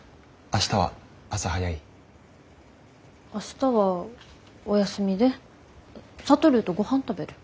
明日はお休みで智とごはん食べる。